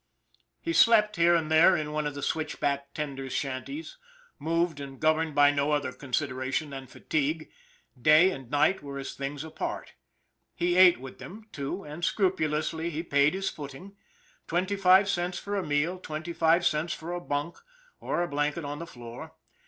He slept here and there in one of the switch back tender's shanties, moved and governed by no other con sideration than fatigue day and night were as things apart. He ate with them, too; and scrupulously he paid his footing. Twenty five cents for a meal, twenty five cents for a bunk, or a blanket on the floor.